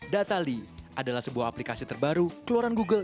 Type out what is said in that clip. datally adalah sebuah aplikasi terbaru keluaran google